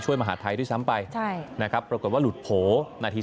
มหาดไทยด้วยซ้ำไปใช่นะครับปรากฏว่าหลุดโผล่นาที